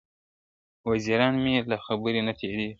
وزیران مي له خبري نه تیریږي `